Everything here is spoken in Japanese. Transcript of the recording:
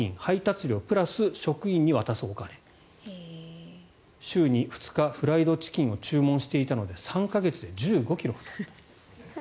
料プラス職員に渡すお金週に２日、フライドチキンを注文していたので３か月で１５ｋｇ太った。